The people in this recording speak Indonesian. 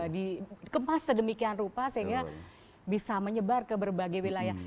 dikemas sedemikian rupa sehingga bisa menyebar ke berbagai wilayah